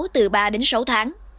từ ba đến sáu tháng